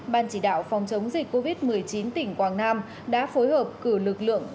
ban chỉ đạo phòng chống dịch covid một mươi chín tỉnh quảng nam đã phối hợp cử lực lượng